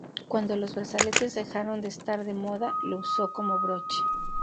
Cuando los brazaletes dejaron de estar de moda, lo usó como broche.